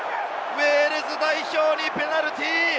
ウェールズ代表にペナルティー！